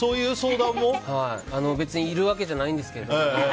別にいるわけじゃないんですけど。